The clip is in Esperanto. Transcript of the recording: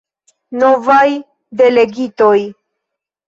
Novaj delegitoj.